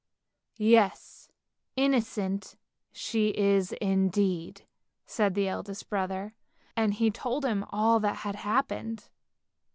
" Yes, innocent she is indeed," said the eldest brother, and he told them all that had happened.